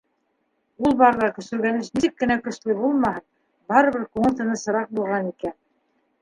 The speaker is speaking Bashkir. Ул барҙа көсөргәнеш нисек кенә көслө булмаһын, барыбер күңел тынысыраҡ булған икән.